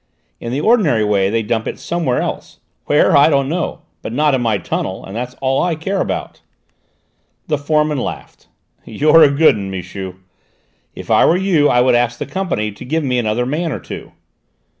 In the ordinary way they dump it somewhere else: where, I don't know, but not in my tunnel, and that's all I care about." The foreman laughed. "You're a good 'un, Michu! If I were you I would ask the Company to give me another man or two."